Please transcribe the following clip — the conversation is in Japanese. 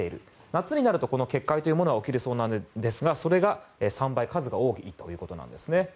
夏になると決壊というものは起きるそうですがそれが３倍数が多くなったということです。